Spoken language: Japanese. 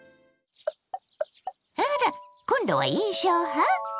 あら！今度は印象派？